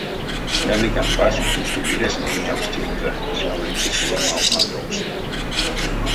Сляникань пачк тусто виресь неявсь тензэ сявориця сёрмав пандокс.